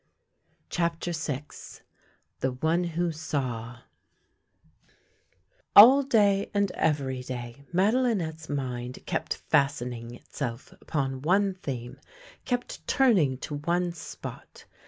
CHAPTER VI THE ONE WHO SAW ALL day and every day Madelinette's mind kept fastening itself upon one theme, kept turning to one spot.